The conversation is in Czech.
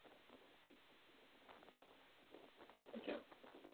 Tím je výrazně snížena režie na rozdíl od klasických virtuálních strojů.